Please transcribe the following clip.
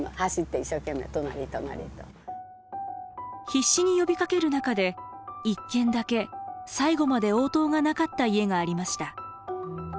必死に呼びかける中で１軒だけ最後まで応答がなかった家がありました。